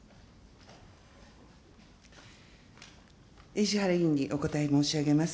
石原委員にお答え申し上げます。